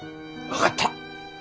分かった。